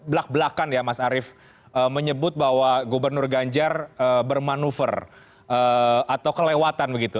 belak belakan ya mas arief menyebut bahwa gubernur ganjar bermanuver atau kelewatan begitu